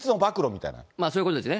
そういうことですね。